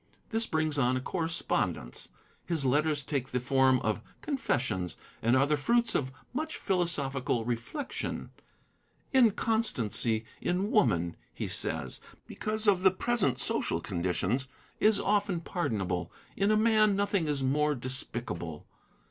This brings on a correspondence. His letters take the form of confessions, and are the fruits of much philosophical reflection. 'Inconstancy in woman,' he says, because of the present social conditions, is often pardonable. In a man, nothing is more despicable.'